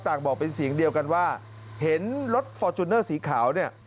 บอกเป็นเสียงเดียวกันว่าเห็นรถฟอร์จูเนอร์สีขาวเนี่ย